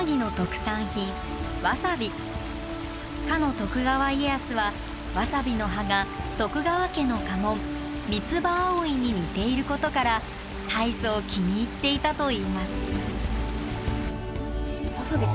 徳川家康はわさびの葉が徳川家の家紋「三つ葉葵」に似ていることから大層気に入っていたといいます。